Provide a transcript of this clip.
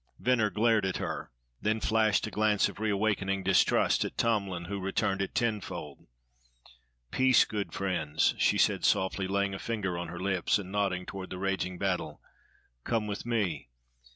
Venner glared at her, then flashed a glance of reawakening distrust at Tomlin, who returned it tenfold. "Peace, good friends," she said, softly, laying a finger on her lips and nodding toward the raging battle. "Come with me.